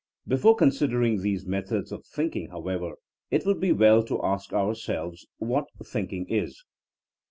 Before considering these methods of think ing, however, it would be well to ask ourselves what thinking is.